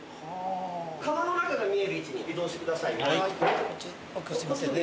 窯の中が見える位置に移動してください。